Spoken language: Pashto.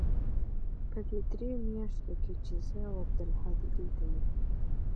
په دې درېو مياشتو کښې چې زه او عبدالهادي دلته يو.